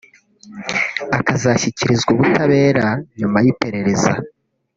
akazashyikirizwa ubutabera nyum ay’iperereza